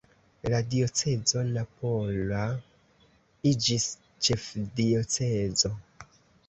La diocezo napola iĝis ĉefdiocezo.